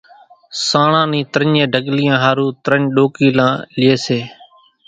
سانڻان نِي ترڃين ڍڳليان ۿارُو ترڃ ڏوڪيلا لئي سي،